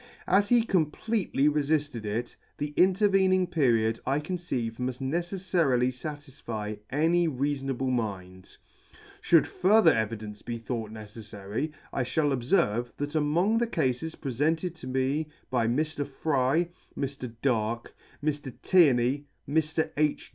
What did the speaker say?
As he completely refitted it, the intervening period I conceive mutt neceflarily fatisfy any reafon able mind. Should further evidence be thought necettary, I fhall obferve, that among the Cafes prefented to me by Mr. Fry, Mr. Darke, Mr. Tierny, Mr. H.